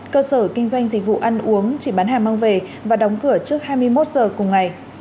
cơ sở kinh doanh dịch vụ ăn uống chỉ bán hàng mang về và đóng cửa trước hai mươi một giờ cùng ngày